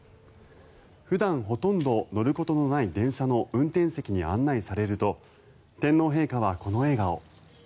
普段ほとんど乗ることのない電車の運転席に案内されると天皇陛下はこの笑顔。